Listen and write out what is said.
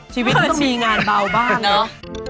ชีวิตต้องมีงานเวลาบ้างเนอะ